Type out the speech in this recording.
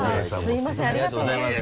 すみませんありがとうございました。